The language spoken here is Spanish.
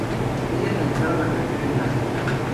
Ellas realizaron la canción en Live!